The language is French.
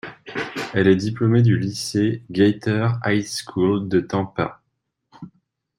Elle est diplômée du lycée Gaither High School de Tampa.